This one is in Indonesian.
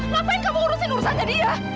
ngapain kamu urusin urusannya dia